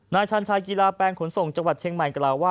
ชาญชายกีฬาแปลงขนส่งจังหวัดเชียงใหม่กล่าวว่า